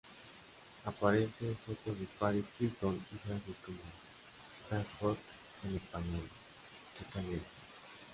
Aparecen fotos de Paris Hilton y frases como "That's Hot" en español— "Que Caliente".